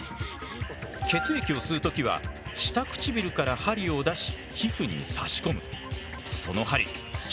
血液を吸う時は下唇から針を出し皮膚に差し込む。